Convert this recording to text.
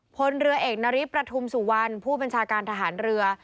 พลเรือเอกนาริสประทุมสุวรรณผู้บัญชาการทหารเรือ